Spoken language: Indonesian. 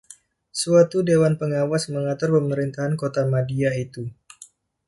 Suatu Dewan Pengawas mengatur pemerintahan kotamadya itu.